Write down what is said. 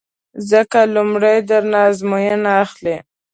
ځکه لومړی در نه ازموینه اخلي